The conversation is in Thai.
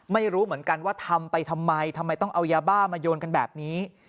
ไม่รู้เหมือนกันว่าทำไปทำไมทำไมต้องเอายาบ้ามาโยนกันแบบนี้